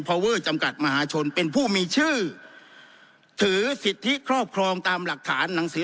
พอเวอร์จำกัดมหาชนเป็นผู้มีชื่อถือสิทธิครอบครองตามหลักฐานหนังสือ